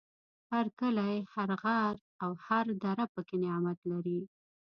هر کلی، هر غر او هر دره پکې نعمت لري.